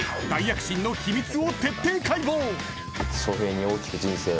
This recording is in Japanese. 大躍進の秘密を徹底解剖。